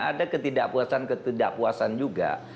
ada ketidakpuasan ketidakpuasan juga